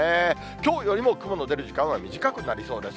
きょうよりも雲の出る時間は短くなりそうです。